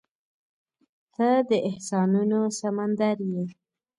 • ته د احساسونو سمندر یې.